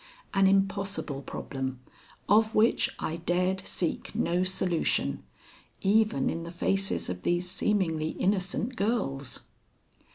An impossible problem of which I dared seek no solution, even in the faces of these seemingly innocent girls.